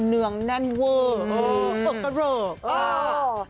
เนืองแนนเวอโปรโกะเราย์